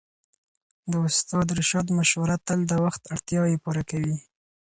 د استاد رشاد مشوره تل د وخت اړتياوې پوره کوي.